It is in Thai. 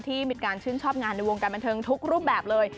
ที่มีการชื่นชอบงานในวงการบันเทิงทุกรูปแบบเลย